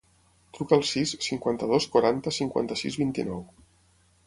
Truca al sis, cinquanta-dos, quaranta, cinquanta-sis, vint-i-nou.